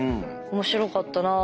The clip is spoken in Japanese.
面白かったな。